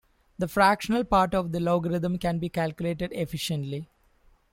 The fractional part of the logarithm can be calculated efficiently.